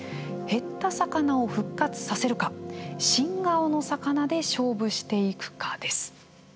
減った魚を復活させるか新顔の魚で勝負していくかです。